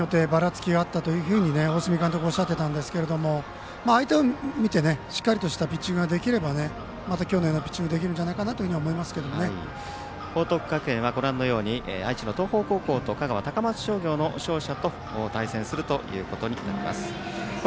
ちょっと回によってばらつきがあったと大角監督おっしゃってたんですけど相手を見て、しっかりとしたピッチングができれば今日のようなピッチングが報徳学園は愛知の東邦高校と香川の高松商業と勝者と対戦するということになります。